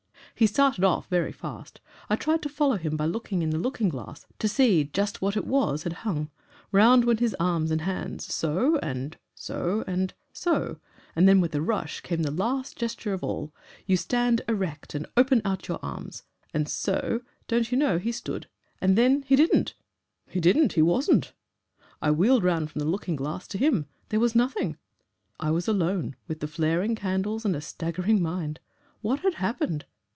"He started off very fast. I tried to follow him by looking in the looking glass, to see just what it was had hung. Round went his arms and his hands, so, and so, and so, and then with a rush came to the last gesture of all you stand erect and open out your arms and so, don't you know, he stood. And then he didn't! He didn't! He wasn't! I wheeled round from the looking glass to him. There was nothing, I was alone, with the flaring candles and a staggering mind. What had happened?